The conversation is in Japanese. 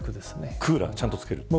クーラーはちゃんとつけますか。